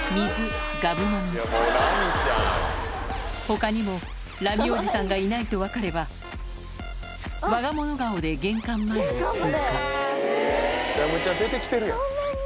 他にもラミおじさんがいないと分かればわが物顔で玄関前を通過めちゃめちゃ出て来てるやん。